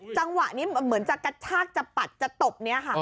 จังหวะนี้มันเหมือนจะกะชากจะปัดจะตบ